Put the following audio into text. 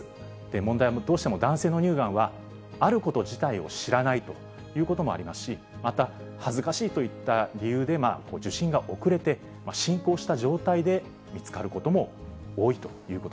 問題はもうどうしても男性の乳がんはあること自体を知らないということもありますし、また、恥ずかしいといった理由で受診が遅れて、進行した状態で見つかる